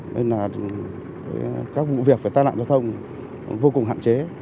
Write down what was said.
nên các vụ việc về tài nạn giao thông vô cùng hạn chế